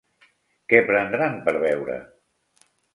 Què prendran per veure?